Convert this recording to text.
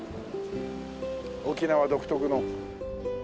沖縄独特の。